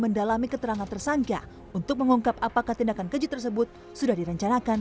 mendalami keterangan tersangka untuk mengungkap apakah tindakan keji tersebut sudah direncanakan